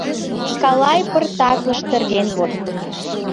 Калай пыртак лаштырген вот.